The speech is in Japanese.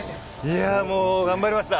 いやぁ、もう、頑張りました。